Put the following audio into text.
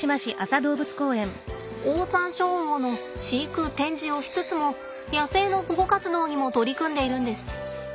オオサンショウウオの飼育・展示をしつつも野生の保護活動にも取り組んでいるんです。